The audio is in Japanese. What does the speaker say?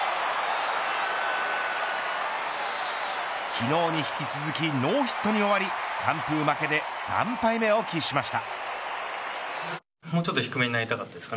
昨日に引き続きノーヒットに終わり完封負けで３敗目を喫しました。